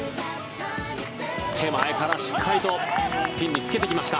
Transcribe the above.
手前からしっかりとピンにつけてきました。